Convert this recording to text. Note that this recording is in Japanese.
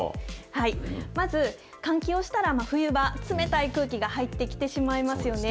まず、換気をしたら冬場、冷たい空気が入ってきてしまいますよね。